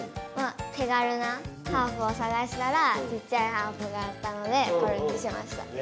まあ手軽なハープをさがしたらちっちゃいハープがあったのでこれにしました。